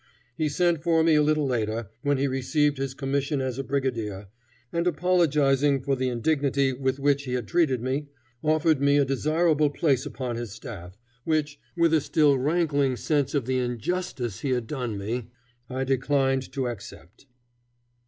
He sent for me a little later, when he received his commission as a brigadier, and apologizing for the indignity with which he had treated me, offered me a desirable place upon his staff, which, with a still rankling sense of the injustice he had done me, I declined to accept.